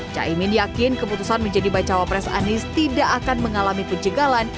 caimin yakin keputusan menjadi bacawa pres anies tidak akan mengalami penjegalan